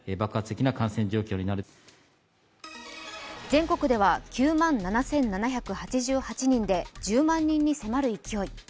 全国では９万７７８８人で１０万人に迫る勢い。